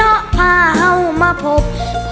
เนาะพาเหามาพบ